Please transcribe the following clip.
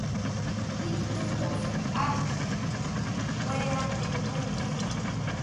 Jitɨdosi atɨ, kue rabe kuellena